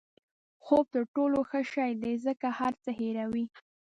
خوب تر ټولو ښه شی دی ځکه هر څه هیروي.